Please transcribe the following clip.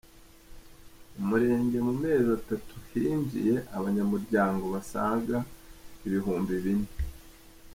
Umurenge mu mezi atatu hinjiye abanyamuryango basaga ibihumbi bine